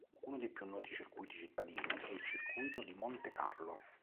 Uno dei più noti circuiti cittadini è il circuito di Monte Carlo.